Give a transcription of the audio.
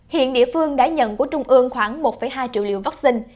hiện địa phương đã nhận của trung ương khoảng một hai triệu liều vaccine